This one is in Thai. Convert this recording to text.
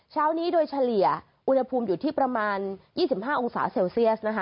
เช้านี้โดยเฉลี่ยอุณหภูมิอยู่ที่ประมาณ๒๕องศาเซลเซียสนะคะ